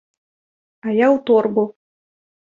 А я ў торбу.